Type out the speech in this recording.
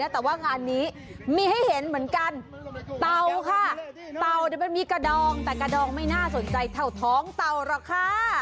แต่ว่างานนี้มีให้เห็นเหมือนกันเต่าค่ะเต่ามันมีกระดองแต่กระดองไม่น่าสนใจเท่าท้องเต่าหรอกค่ะ